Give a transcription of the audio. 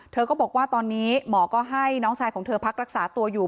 เธอก็บอกว่าตอนนี้หมอก็ให้น้องชายของเธอพักรักษาตัวอยู่